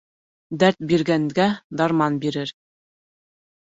Дәрт биргәнгә дарман бирер.